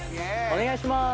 お願いします